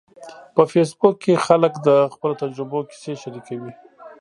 په فېسبوک کې خلک د خپلو تجربو کیسې شریکوي.